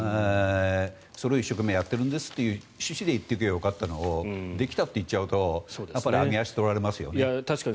それを一生懸命やっているんですという趣旨で言えばよかったのをできたと言っちゃうと揚げ足を取られちゃいますよね。